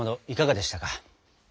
いかがでしたか？